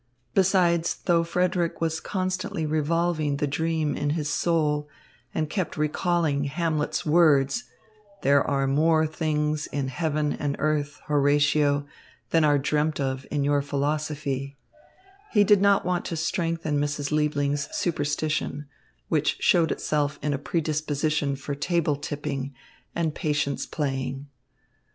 Besides, though Frederick was constantly revolving the dream in his soul and kept recalling Hamlet's words, "There are more things in heaven and earth, Horatio, than are dreamt of in your philosophy," he did not want to strengthen Mrs. Liebling's superstition, which showed itself in a predisposition for table tipping and patience playing.